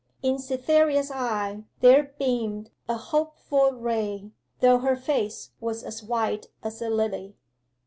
In Cytherea's eye there beamed a hopeful ray, though her face was as white as a lily.